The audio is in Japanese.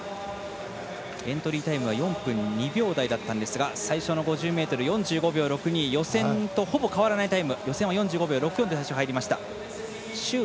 エントリータイムは４分２秒台だったんですが最初の５０ｍ、４５秒６２予選とほぼ変わらないタイム。